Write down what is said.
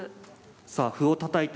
さあ歩をたたいて。